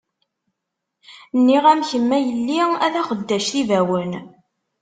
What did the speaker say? Nniɣ-am, kemm a yelli, a taxeddact n yibawen.